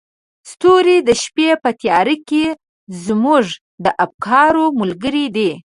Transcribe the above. ستوري د شپې په تیاره کې زموږ د افکارو ملګري دي.